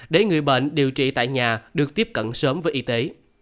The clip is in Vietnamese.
để người bệnh điều trị tại nhà được tiếp cận sớm với y tế